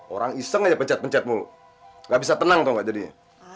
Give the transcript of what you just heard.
orang iseng aja pencet pencet mulu gak bisa tenang tuh nggak jadinya